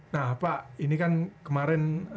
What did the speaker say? nah pak ini kan kemarin